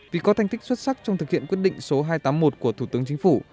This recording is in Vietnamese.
vì có thành tích xuất sắc trong thực hiện quyết định số hai trăm tám mươi một của thủ tướng chính phủ